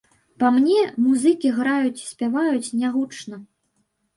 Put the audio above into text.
Па мне, музыкі граюць і спяваюць не гучна.